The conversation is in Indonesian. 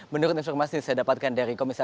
menurut informasi saya dapatkan dari komisar